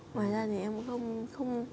ngoài ra thì em cũng không